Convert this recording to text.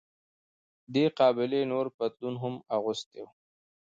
دې قابلې تور پتلون هم اغوستی و.